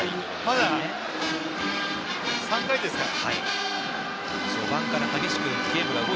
まだ３回ですから。